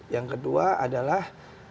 yang kedua adalah